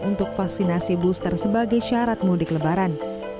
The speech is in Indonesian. untuk vaksinasi booster sebagai syarikat